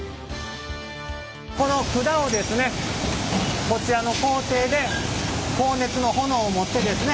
この管をですねこちらの工程で高熱の炎をもってですね